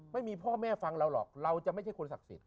ไม่มีพ่อแม่ฟังเราหรอกเราจะไม่ใช่คนศักดิ์สิทธิ